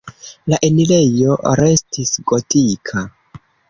La enirejo restis gotika.